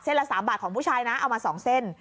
เส้นละ๓บาทของผู้ชายเอามา๒เส้น